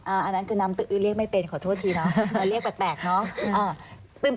อันนั้นคือน้ำตื้อเรียกไม่เป็นขอโทษทีเนาะเรียกแปลกเนอะ